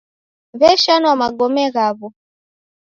W'eshanwa magome ghaw'o